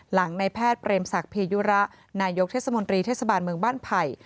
ในแพทย์เปรมศักดิยุระนายกเทศมนตรีเทศบาลเมืองบ้านไผ่